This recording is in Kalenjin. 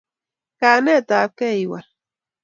Kayanet tab gei iwal